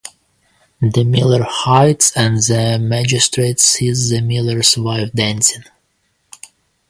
The miller hides and the magistrate sees the miller's wife dancing.